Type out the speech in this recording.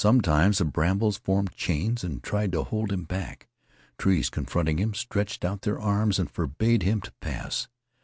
Sometimes the brambles formed chains and tried to hold him back. Trees, confronting him, stretched out their arms and forbade him to pass.